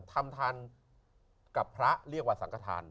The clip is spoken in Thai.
ทำทานกับพระเรียกว่าสังกฐาน